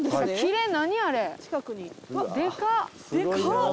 でかっ！